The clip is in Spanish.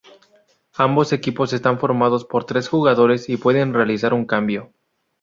Ambos equipos están formados por tres jugadores y pueden realizar un cambio.